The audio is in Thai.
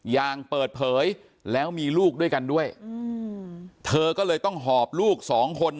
อย่างเปิดเผยแล้วมีลูกด้วยกันด้วยอืมเธอก็เลยต้องหอบลูกสองคน